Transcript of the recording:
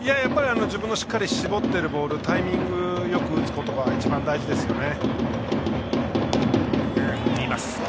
自分が絞っているボールをタイミングよく打つことが一番大事ですよね。